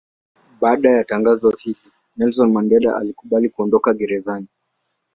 Baada ya tangazo hili Nelson Mandela alikubali kuondoka gerezani.